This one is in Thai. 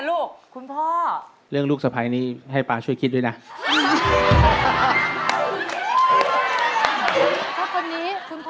บอกให้ต่อใครก็ใจให้ให้ฉันมีทุกของก็คือเธอ